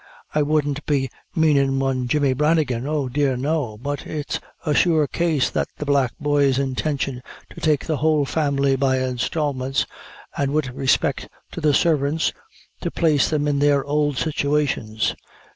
I wouldn't be mainin' one Jemmy Branigan. Oh, dear no but it's a sure case that's the Black Boy's intention to take the whole family by instalments, an' wid respect to the sarvints to place them in their ould situations.